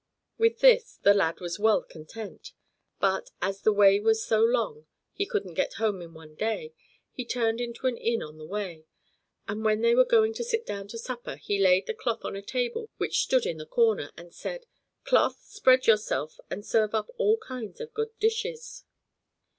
'" With this the lad was well content. But, as the way was so long he couldn't get home in one day, he turned into an inn on the way; and when they were going to sit down to supper, he laid the cloth on a table which stood in the corner and said: "Cloth spread yourself, and serve up all kinds of good dishes."